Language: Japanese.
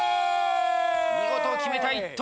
見事決めた１投目。